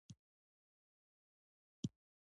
تیغ یې خېټه ورڅېړې کړه.